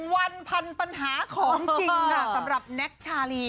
วันพันปัญหาของจริงค่ะสำหรับแน็กชาลี